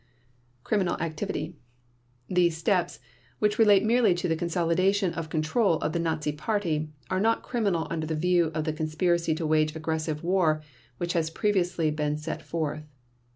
Criminal Activity: These steps, which relate merely to the consolidation of control of the Nazi Party, are not criminal under the view of the conspiracy to wage aggressive war which has previously been set forth.